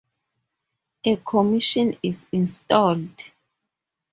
A commission is installed.